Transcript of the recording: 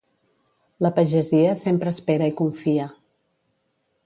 La pagesia sempre espera i confia.